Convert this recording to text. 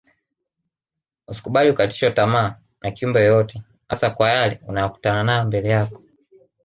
Usikubali kukatishwa tamaa na kiumbe yeyote hasa kwa yale unayokutana nayo mbele yako